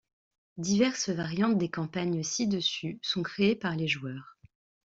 Diverses variantes des campagnes ci-dessus sont créées par les joueurs.